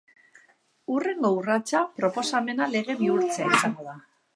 Hurrengo urratsa proposamena lege bihurtzea izango da.